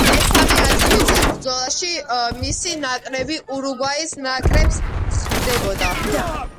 მესამე ადგილისთვის ბრძოლაში მისი ნაკრები ურუგვაის ნაკრებს ხვდებოდა.